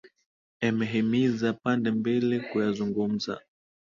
emehimiza pande mbili kuyazungumza